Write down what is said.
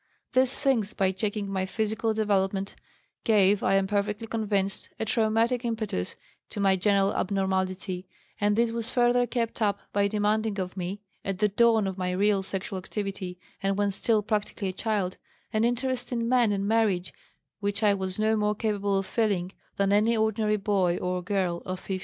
These things by checking my physical development gave, I am perfectly convinced, a traumatic impetus to my general abnormality, and this was further kept up by demanding of me (at the dawn of my real sexual activity, and when still practically a child) an interest in men and marriage which I was no more capable of feeling than any ordinary boy or girl of 15.